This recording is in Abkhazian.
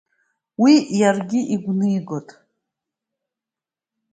Уи иаргьы игәнигоит…